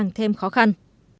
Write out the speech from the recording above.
càng thêm khó khăn